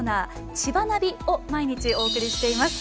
「ちばなび」を毎日お伝えしています。